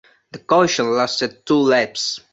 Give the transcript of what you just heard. The caution lasted two laps.